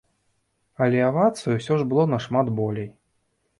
Але авацый усё ж было нашмат болей.